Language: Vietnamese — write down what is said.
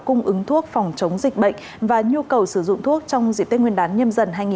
cung ứng thuốc phòng chống dịch bệnh và nhu cầu sử dụng thuốc trong dịp tết nguyên đán